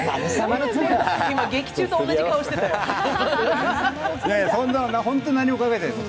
今、劇中と同じ顔してたよ。